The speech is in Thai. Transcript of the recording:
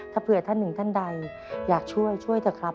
ถ้าเผื่อท่านหนึ่งท่านใดอยากช่วยช่วยเถอะครับ